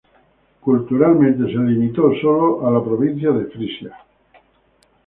Culturalmente, se contrajo abajo a la provincia de Frisia solamente.